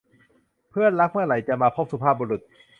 เพื่อนรัก เมื่อไหร่จะมาพบสุภาพบุรุษ